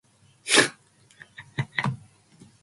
This variant in service with Royal Malaysian Police.